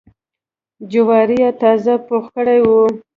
جواري یې تازه پوخ کړی و.